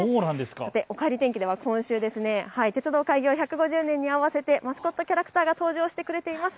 おかえり天気では今週、鉄道開業１５０年に合わせてマスコットキャラクターが登場してくれています。